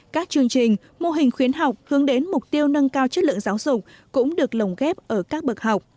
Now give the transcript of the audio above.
các chương trình mô hình khuyến học hướng đến mục tiêu nâng cao chất lượng giáo dục cũng được lồng ghép ở các bậc học